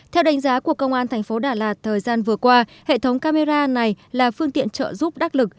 theo đánh giá của công an thành phố đà lạt thời gian vừa qua hệ thống camera này là phương tiện trợ giúp đắc lực